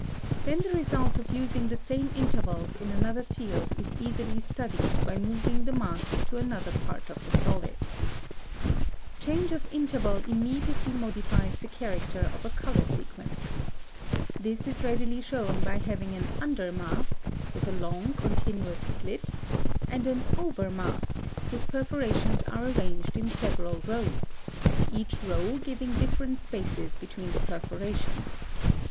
Then the result of using the same intervals in another field is easily studied by moving the mask to another part of the solid. (169) Change of interval immediately modifies the character of a color sequence. This is readily shown by having an under mask, with a long, continuous slit, and an over mask whose perforations are arranged in several rows, each row giving different spaces between the perforations.